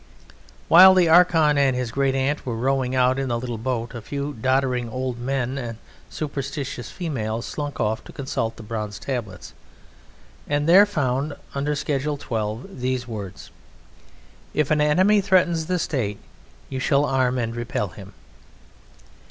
While the Archon and his great aunt were rowing out in the little boat a few doddering old men and superstitious females slunk off to consult the bronze tablets, and there found under Schedule XII these words: "If an enemy threaten the State, you shall arm and repel him."